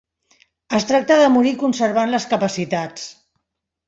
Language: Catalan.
Es tracta de morir conservant les capacitats.